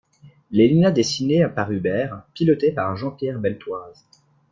L'Élina dessinée par Hubert, Piloté par Jean-pierre Beltoise.